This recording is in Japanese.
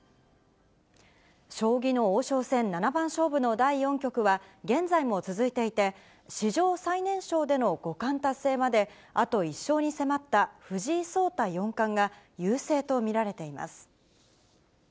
将棋の王将戦七番勝負の第４局は、現在も続いていて、史上最年少での五冠達成まで、あと１勝に迫った藤井聡太四冠が、優勢と見られています。